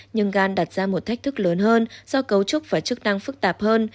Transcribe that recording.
nhưng gan đặt ra một thách thức lớn hơn do cấu trúc và chức năng phức tạp hơn